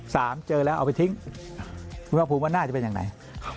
เจอแล้วเอาไปทิ้งคุณภาคภูมิว่าน่าจะเป็นอย่างไหน